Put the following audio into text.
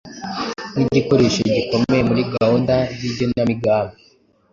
nk’igikoresho gikomeye muri gahunda z’igenamigambi